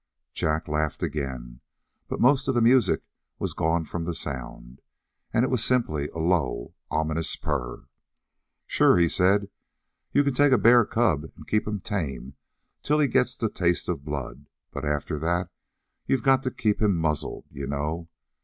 Jack laughed again, but most of the music was gone from the sound, and it was simply a low, ominous purr. "Sure," he said. "You can take a bear cub and keep him tame till he gets the taste of blood, but after that you got to keep him muzzled, you know.